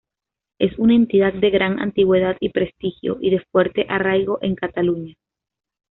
Es una entidad de gran antigüedad y prestigio, y de fuerte arraigo en Cataluña.